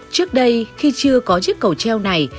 trước đây khi chưa có chiếc cầu treo này